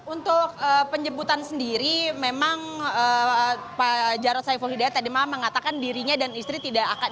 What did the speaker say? untuk penjemputan sendiri memang pak jarod saiful hidayat tadi malam mengatakan dirinya dan istri tidak akan